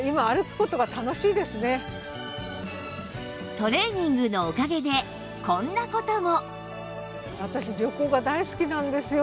トレーニングのおかげでこんな事も